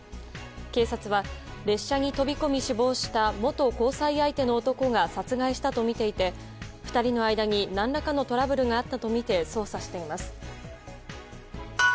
警察は、列車に飛び込み死亡した元交際相手の男が殺害したとみていて、２人の間に何らかのトラブルがあったとみて捜査しています。